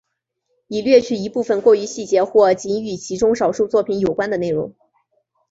已略去一部分过于细节或仅与其中少数作品有关的内容。